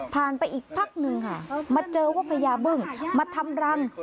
ผ่านไปอีกพักหนึ่งมาเจอว่าพระยาบึ้งมาทำรัง